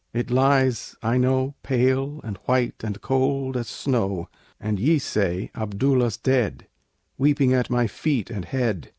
it lies, I know, Pale and white and cold as snow; And ye say, "Abdullah's dead!" Weeping at my feet and head.